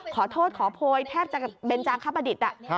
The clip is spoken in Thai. ขอโทษขอโพยแทบจะเบนจางคประดิษฐ์